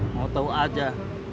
mau tau aja